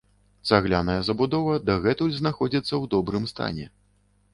Цагляная забудова дагэтуль знаходзіцца ў добрым стане.